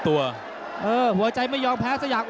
ตอนนี้มันถึง๓